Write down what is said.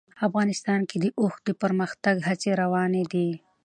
افغانستان کې د اوښ د پرمختګ هڅې روانې دي.